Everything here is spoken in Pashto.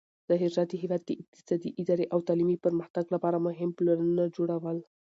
ظاهرشاه د هېواد د اقتصادي، اداري او تعلیمي پرمختګ لپاره مهم پلانونه جوړ کړل.